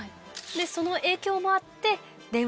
その影響もあって。